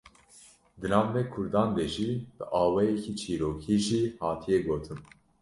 di nav me Kurdan de jî bi awayeke çîrokî jî hatiye gotin